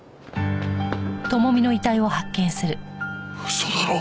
嘘だろ。